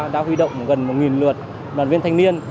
đã huy động gần một lượt đoàn viên thanh niên